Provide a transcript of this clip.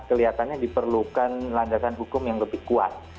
kelihatannya diperlukan landasan hukum yang lebih kuat